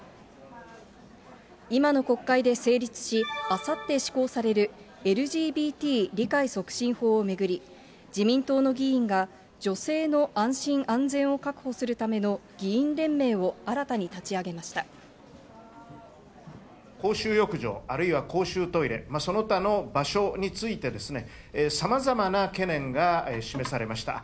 今の国会で成立し、あさって施行される、ＬＧＢＴ理解促進法を巡り、自民党の議員が女性の安心安全を確保するための議員連盟を新たに公衆浴場、あるいは公衆トイレ、その他の場所についてですね、さまざまな懸念が示されました。